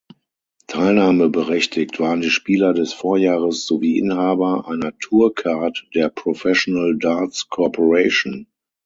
Teilnahmeberechtigt waren die Spieler des Vorjahres sowie Inhaber einer Tourcard der Professional Darts Corporation.